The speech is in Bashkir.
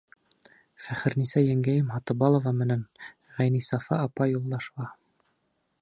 Фәхерниса еңгәйем Һатыбалова менән Ғәйнисафа апай Юлдашева...